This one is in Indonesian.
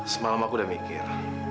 semalam aku udah mikir